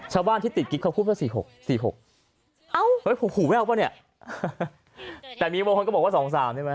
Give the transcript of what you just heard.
ชาวบ้านที่ติดกิ๊กเขาพูดว่า๔๖